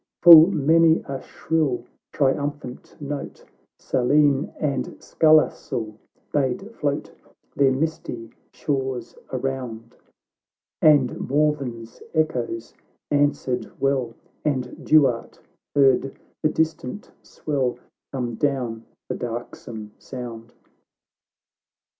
Full many a shrill triumphant note Saline and Scallastle bade float Their misty shores around ; And Morven's echoes answered well, And Duart heard the distant swell Come down the darksome Sound.